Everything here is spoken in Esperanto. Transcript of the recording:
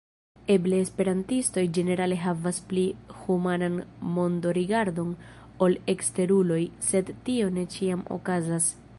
Eble esperantistoj ĝenerale havas pli humanan mondorigardon ol eksteruloj, sed tio ne ĉiam okazas.